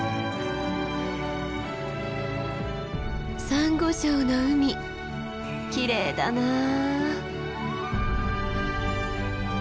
サンゴ礁の海きれいだなあ。